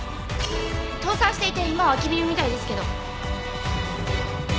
倒産していて今は空きビルみたいですけど。